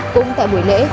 cũng tại buổi lễ